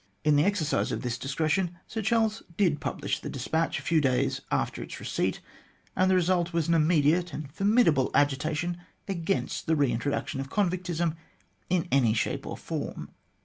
In the exercise of this discretion Sir Charles did publish the despatch a few days after its receipt, and the result was an immediate and formidable agitation against the re intro duction of convictism in any shape or form.